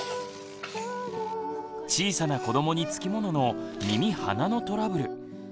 小さな子どもにつきものの耳・鼻のトラブル。